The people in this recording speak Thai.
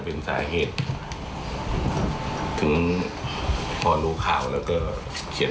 มาที่เนี่ย